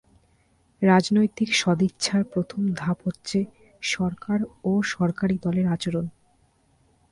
রাজনৈতিক সদিচ্ছার প্রথম ধাপ হচ্ছে সরকার ও সরকারি দলের আচরণ।